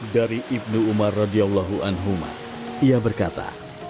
dari ibnu umar radiallahu anhumah ia berkata